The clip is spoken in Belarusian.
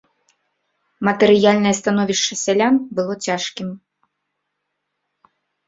Матэрыяльнае становішча сялян было цяжкім.